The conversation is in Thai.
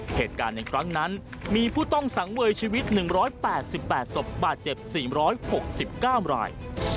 เหตุการณ์ในครั้งนั้นมีผู้ต้องสังเวยชีวิต๑๘๘ศพบาดเจ็บ๔๖๙ราย